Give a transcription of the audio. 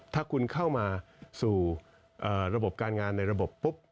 ถ้าคุณเข้ามาสู่ระบบการงานในระบบปุ๊บ